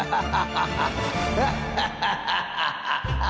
ハッハハハハ。